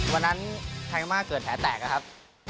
วันนั้นทาคายาม่าเกิดแถ่แตกครับ